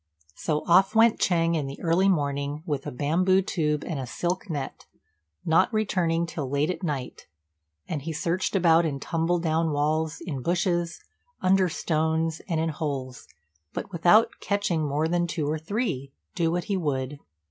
So off went Ch'êng in the early morning, with a bamboo tube and a silk net, not returning till late at night; and he searched about in tumble down walls, in bushes, under stones, and in holes, but without catching more than two or three, do what he would.